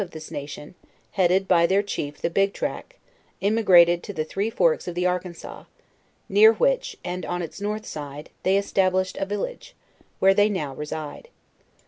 127 of this nation, headed by their chief the Biglrack, em igrated to throe forks of the Arkansas; near which, and on its north side, they established a village, where they now reside.